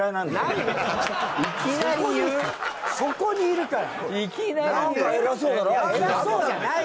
そこにいるから。